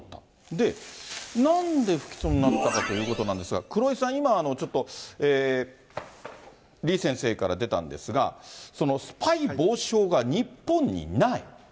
で、なんで不起訴になったかということなんですが、黒井さん、今ちょっと李先生から出たんですが、スパイ防止法が日本にない。